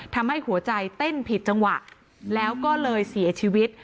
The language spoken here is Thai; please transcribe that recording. ทำให้หัวใจเต้นผิดจังหวะแล้วก็เลยเสียชีวิต